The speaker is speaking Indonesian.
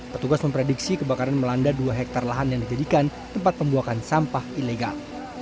petugas memprediksi kebakaran melanda dua hektare lahan yang dijadikan tempat pembuakan sampah ilegal